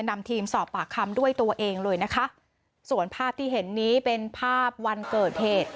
นำทีมสอบปากคำด้วยตัวเองเลยนะคะส่วนภาพที่เห็นนี้เป็นภาพวันเกิดเหตุ